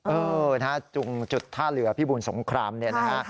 เออจุงจุดท่าเหลือพี่บุญสงครามเนี่ยนะฮะ